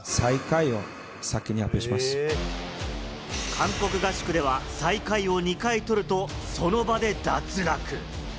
韓国合宿では、最下位を２回取ると、その場で脱落。